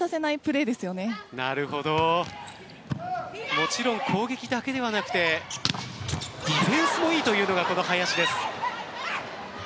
もちろん、攻撃だけではなくてディフェンスもいいというのがこの林です。